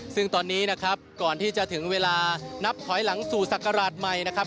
ซึ่งตอนนี้นะครับก่อนที่จะถึงเวลานับถอยหลังสู่ศักราชใหม่นะครับ